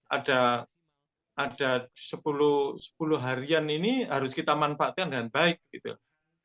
ada sepuluh harian ini harus kita manfaatkan dengan baik gitu